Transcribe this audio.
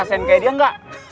bisa di desain kayak dia nggak